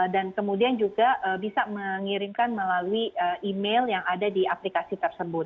dan kemudian juga bisa mengirimkan melalui email yang ada di aplikasi tersebut